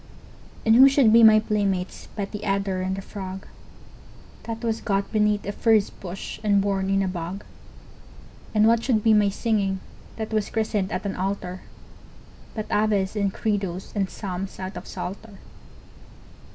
And who should be my playmates but the adder and the frog, That was got beneath a furze bush and born in a bog? And what should be my singing, that was christened at an altar, But Aves and Credos and Psalms out of Psalter?